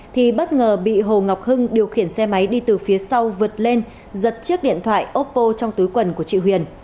thì bất ngờ bị hồ ngọc hưng điều khiển xe máy đi từ phía sau vượt lên giật chiếc điện thoại ôpô trong túi quần của chị huyền